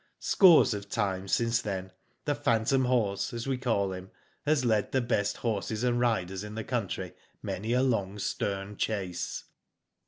Scores of times since then, the phantom horse, as we call him, has led the best horses and riders in the country many a long stern chase.